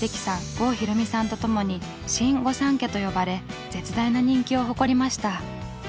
郷ひろみさんとともに「新御三家」と呼ばれ絶大な人気を誇りました。